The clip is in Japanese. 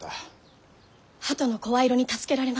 鳩の声色に助けられました。